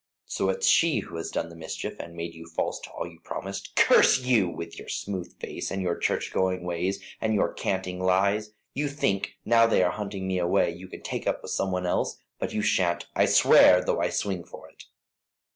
So it's she who has done the mischief, and made you false to all you promised. Curse you! with your smooth face, and your church going ways, and your canting lies. You think, now they are hunting me away, you can take up with some one else; but you shan't, I swear, though I swing for it."